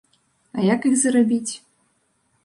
А як іх зарабіць?